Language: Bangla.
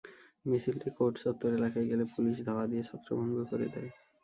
মিছিলটি কোর্ট চত্বর এলাকায় গেলে পুলিশ ধাওয়া দিয়ে ছত্রভঙ্গ করে দেয়।